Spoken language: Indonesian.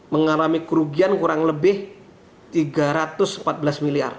mengalami kerugian kurang lebih tiga ratus empat belas miliar